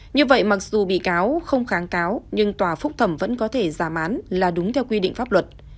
như vậy mặc dù bị cáo không kháng cáo nhưng tòa phúc thẩm vẫn có thể giảm án là đúng theo quy định pháp luật